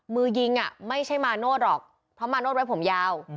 มือยิงไม่ใช่มาโนธหรอกเพราะมาโน้ตไว้ผมยาว